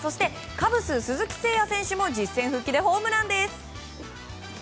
カブスの鈴木誠也選手も実戦復帰でホームランです。